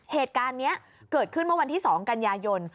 เหตุการณ์นี้เกิดขึ้นเมื่อวันที่๒กันยายน